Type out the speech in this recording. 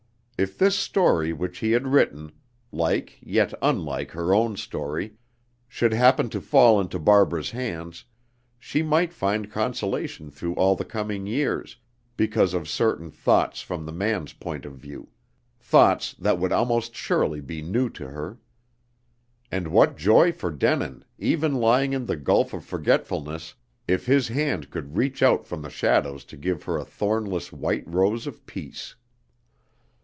If this story which he had written like, yet unlike, her own story should happen to fall into Barbara's hands, she might find consolation through all the coming years, because of certain thoughts from the man's point of view, thoughts that would almost surely be new to her. And what joy for Denin, even lying in the gulf of forgetfulness, if his hand could reach out from the shadows to give her a thornless white rose of peace!